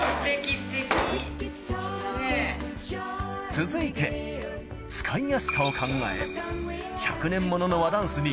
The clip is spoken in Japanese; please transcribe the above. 続いて使いやすさを考え１００年ものの和ダンスに